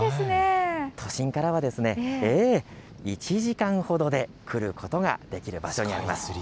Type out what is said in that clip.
都心からは１時間ほどで来ることができる場所にあります。